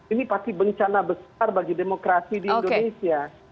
ini pasti bencana besar bagi demokrasi di indonesia